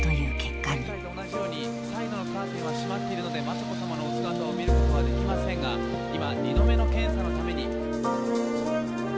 サイドのカーテンは閉まっているので雅子さまのお姿を見ることはできませんが今二度目の検査のために。